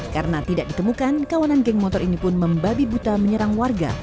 karena tidak ditemukan kawanan geng motor ini pun membabi buta menyerang warga